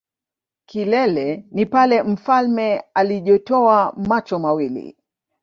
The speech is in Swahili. kilele ni pale mfalme alijotoa macho mawili.